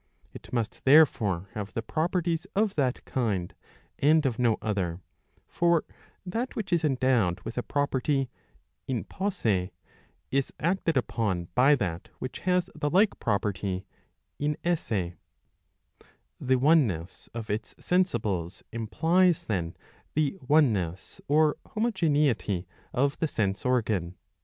It must therefore have the properties of that kind and of no other ; for] that which is endowed with a property in posse is acted upon by that which has the like property in esse}^ The one ness of its sensibles implies then the one ness or homogeneity of the sense organ.